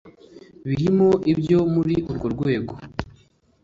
birimo ibyo muri urwo rwego